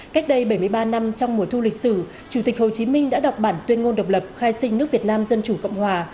cách đây bảy mươi ba năm trong mùa thu lịch sử chủ tịch hồ chí minh đã đọc bản tuyên ngôn độc lập khai sinh nước việt nam dân chủ cộng hòa